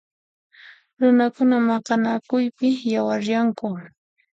Runakuna maqanakuypi yawaryanku.